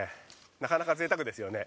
なかなかぜいたくですよね。